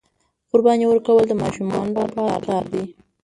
قرباني ورکول د ماشومانو د پلار کار دی.